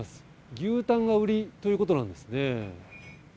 牛タンが売りということなんです